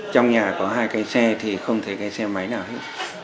trong nhà có hai cái xe thì không thấy cái xe máy nào hết